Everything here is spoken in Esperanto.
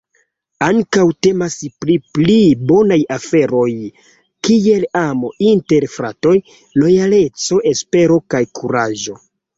Ankaŭ temas pri pli bonaj aferoj kiel amo inter fratoj, lojaleco, espero kaj kuraĝo.